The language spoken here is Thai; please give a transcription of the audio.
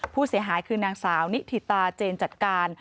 ผู้เสียหายคือนางสาวนิถิตาเจนจัดการ